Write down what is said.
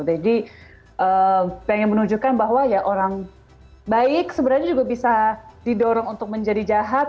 jadi pengen menunjukkan bahwa ya orang baik sebenarnya juga bisa didorong untuk menjadi jahat